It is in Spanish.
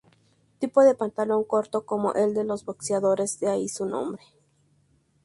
Tipo de pantalón corto, como el de los boxeadores, de ahí su nombre.